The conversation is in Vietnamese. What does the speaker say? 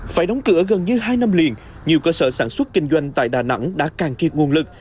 phải đóng cửa gần như hai năm liền nhiều cơ sở sản xuất kinh doanh tại đà nẵng đã càng kiệt nguồn lực